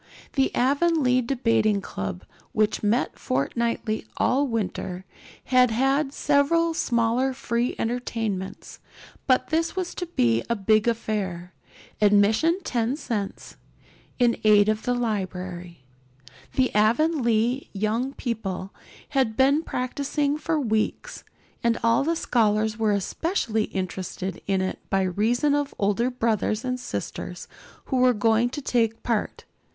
The Avonlea Debating Club, which met fortnightly all winter, had had several smaller free entertainments; but this was to be a big affair, admission ten cents, in aid of the library. The Avonlea young people had been practicing for weeks, and all the scholars were especially interested in it by reason of older brothers and sisters who were going to take part.